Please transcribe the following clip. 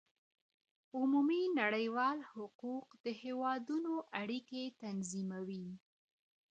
عمومي نړيوال حقوق د هېوادونو اړيکې تنظيموي.